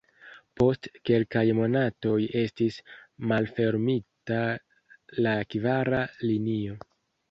Post kelkaj monatoj estis malfermita la kvara linio.